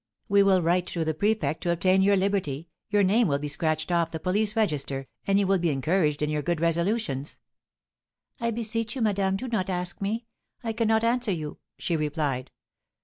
We will write to the prefect to obtain your liberty, your name will be scratched off the police register, and you will be encouraged in your good resolutions.' 'I beseech you, madame, do not ask me; I cannot answer you,' she replied.